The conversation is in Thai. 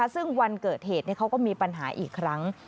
ซึ่งวันเกิดเหตุเขาก็มีปัญหาอีกครั้ง